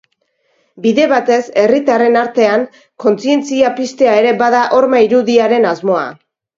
Bide batez, herritarren artean kontzientzia piztea ere bada horma irudiaren asmoa.